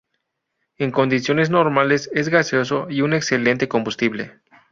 En condiciones normales es gaseoso y un excelente combustible.